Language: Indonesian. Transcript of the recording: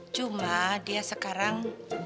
cuma dia sekarang